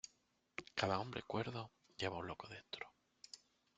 Cada hombre cuerdo lleva un loco dentro.